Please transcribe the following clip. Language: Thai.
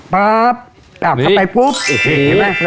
ป๊อบตักเข้าไปปุ๊บเห็นไหม